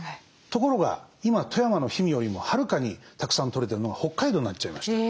ところが今富山の氷見よりもはるかにたくさん取れてるのが北海道になっちゃいました。